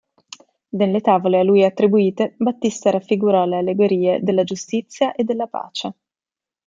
Nelle tavole a lui attribuite Battista raffigurò le allegorie della "Giustizia" e della "Pace".